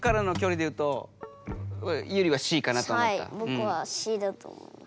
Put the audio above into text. ぼくは「Ｃ」だと思います。